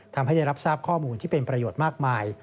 ทำให้ได้รับทราบข้อมูลที่เป็นประโยชน์มากมาย